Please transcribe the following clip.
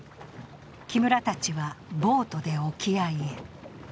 木村たちはボートで沖合へ。